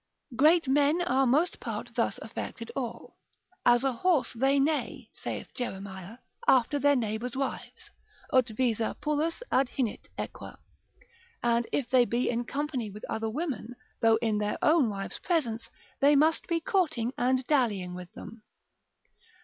Great men are most part thus affected all, as a horse they neigh, saith Jeremiah, after their neighbours' wives,—ut visa pullus adhinnit equa: and if they be in company with other women, though in their own wives' presence, they must be courting and dallying with them.